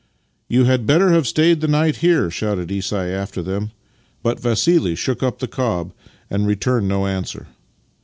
" You had better have stayed the night here," shouted Isai after them, but Vassili shook up the cob and returned no answer.